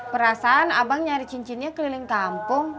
perasaan abang nyari cincinnya keliling kampung